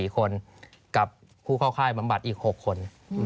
๔คนกับผู้เข้าค่ายบำบัดอีก๖คน